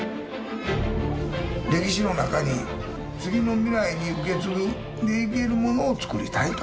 歴史の中に次の未来に受け継いでいけるものをつくりたいと。